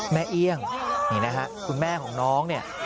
เอี่ยงนี่นะฮะคุณแม่ของน้องเนี่ย